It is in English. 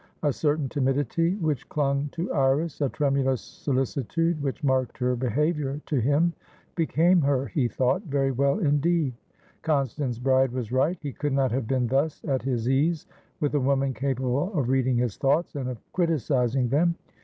A certain timidity which clung to Iris, a tremulous solicitude which marked her behaviour to him, became her, he thought, very well indeed. Constance Bride was right; he could not have been thus at his ease with a woman capable of reading his thoughts, and of criticising them.